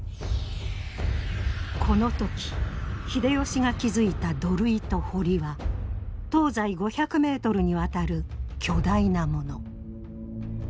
この時秀吉が築いた土塁と堀は東西５００ｍにわたる巨大なもの。